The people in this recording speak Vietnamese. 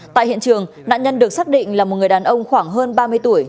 tại hiện trường nạn nhân được xác định là một người đàn ông khoảng hơn ba mươi tuổi